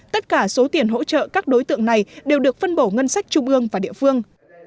tất cả số tiền hỗ trợ các đối tượng này đều được phân bổ ngân sách trung ương và địa phương